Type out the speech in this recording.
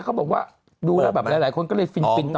เขาบอกว่าดูแล้วแบบหลายคนก็เลยฟินต่อ